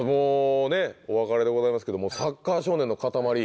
もうねお別れでございますけどもサッカー少年のかたまり。